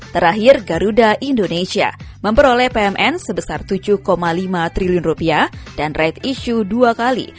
terakhir garuda indonesia memperoleh pmn sebesar tujuh lima triliun rupiah dan right issue dua kali